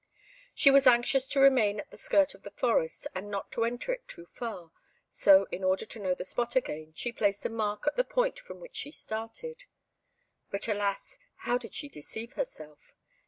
She was anxious to remain at the skirt of the forest, and not to enter it too far, so in order to know the spot again, she placed a mark at the point from which she started. But, alas! how did she deceive herself!